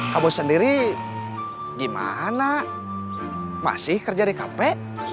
kamu sendiri gimana masih kerja di kafe